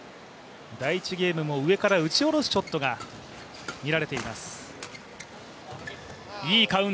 第１ゲームも、上から打ち下ろすショットが見られています。